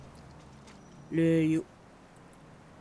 L’euio.